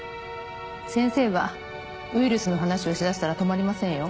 先生はウイルスの話をしだしたら止まりませんよ。